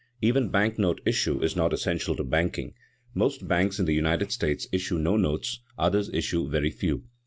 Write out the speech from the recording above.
Even bank note issue is not essential to banking; most banks in the United States issue no notes, others issue very few.